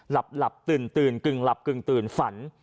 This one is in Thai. หลับตื่นกึ่งหลับกึ่งตื่นฝัน